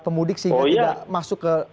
pemudik sehingga tidak masuk ke